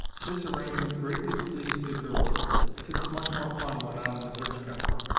This arrangement greatly pleased the girls, since much more fun went on in the britchka.